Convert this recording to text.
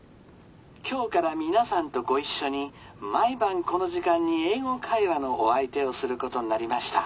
今日から皆さんとご一緒に毎晩この時間に『英語会話』のお相手をすることになりました。